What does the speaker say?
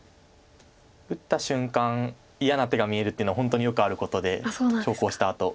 打った瞬間嫌な手が見えるっていうのは本当によくあることで長考したあと。